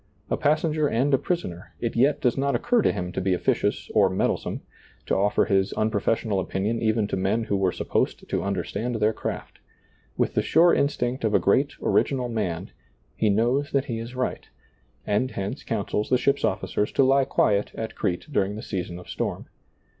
A passenger and a prisoner, it yet does not occur to him to be officious or meddlesome, to ofler his unprofessional opinion even to men who were supposed to understand their craSi. With the sure instinct of a great, original man, he ^oiizccb, Google PAUL ABOARD 103 knows that he is right, and hence counsels the ship's officers to lie quiet at Crete during the season of storm.